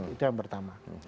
itu yang pertama